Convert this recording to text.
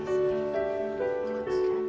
こちらで。